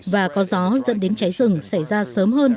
và có gió dẫn đến cháy rừng xảy ra sớm hơn